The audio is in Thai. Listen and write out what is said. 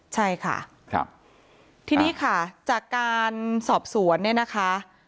ใช่ค่ะครับทีนี้ค่ะจากการสอบสวนเนี่ยนะคะ